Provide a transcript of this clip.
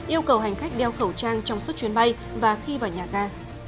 yêu cầu hành khách đeo khẩu trang trong suốt chuyến bay và khi vào nhà ga